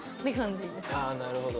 なるほど。